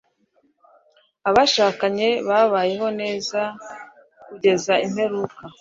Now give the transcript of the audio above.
Abashakanye babayeho neza kugeza imperuka.